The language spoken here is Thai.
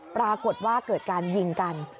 ปรากฏว่าเกิดการยิงกัน